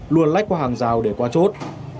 luôn lách qua hàng rào để qua chốt